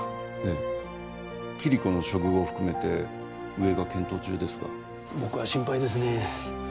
ええキリコの処遇を含めて上が検討中ですが僕は心配ですね